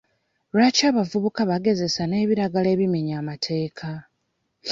Lwaki abavubuka bagezesa nebiragala ebimenya amateeka?